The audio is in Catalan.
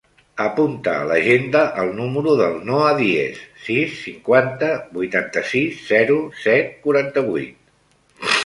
Apunta a l'agenda el número del Noah Diez: sis, cinquanta, vuitanta-sis, zero, set, quaranta-vuit.